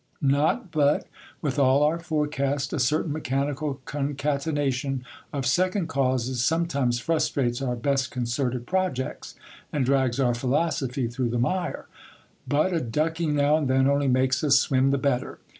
Not but, with all our forecast, a certain mechanical concatenation of second causes sometimes frustrates our best concerted projects, and drags our philosophy through the mire. But a ducking now and then only makes us swim the better.